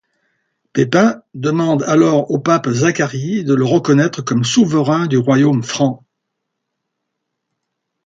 Pépin demande alors au pape Zacharie de le reconnaître comme souverain du royaume franc.